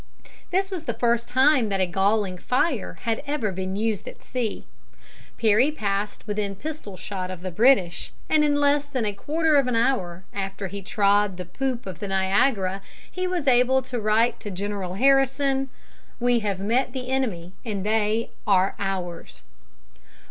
This was the first time that a galling fire had ever been used at sea. Perry passed within pistol shot of the British, and in less than a quarter of an hour after he trod the poop of the Niagara he was able to write to General Harrison, "We have met the enemy, and they are ours."